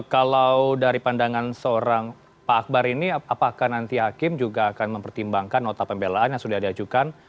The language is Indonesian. kalau dari pandangan seorang pak akbar ini apakah nanti hakim juga akan mempertimbangkan nota pembelaan yang sudah diajukan